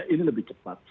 ini lebih cepat